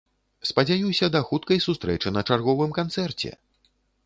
Спадзяюся, да хуткай сустрэчы на чарговым канцэрце!